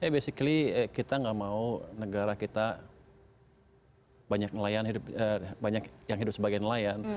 basically kita nggak mau negara kita banyak yang hidup sebagai nelayan